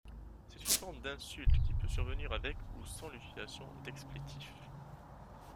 C'est une forme d'insulte qui peut survenir avec ou sans l'utilisation d'explétifs.